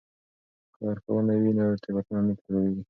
که لارښوونه وي نو تېروتنه نه تکراریږي.